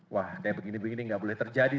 wah kayak begini begini nggak boleh terjadi